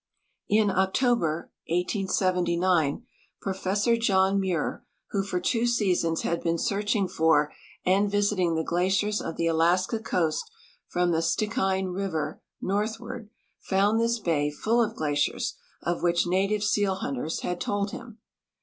In October, 1879, Professor John Muir, who for two seasons had been searching for and visiting the glaciers of the Alaska coast from the Stikine river northward, found this bay full of glaciers of which native seal hunters had told him.